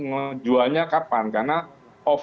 menjualnya kapan karena off